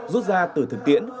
rút ra từ thực tiễn